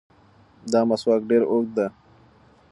دا مسواک ډېر اوږد دی.